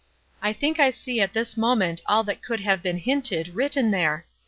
I think I see at this moment all that could have been hinted, written there.